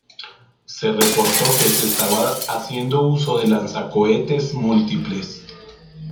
Se reportó que se estaba haciendo uso de lanzacohetes múltiples.